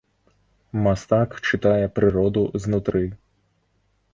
Мастак чытае прыроду знутры.